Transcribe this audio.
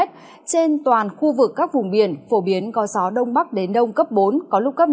trên toàn khu vực các vùng biển phổ biến có gió đông bắc đến đông cấp bốn có lúc cấp năm